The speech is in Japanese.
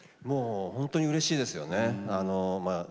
ほんとにうれしいですよね。